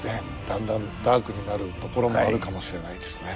だんだんダークになるところもあるかもしれないですね。